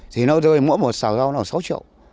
thì nó rơi mỗi một sáu rau là sáu triệu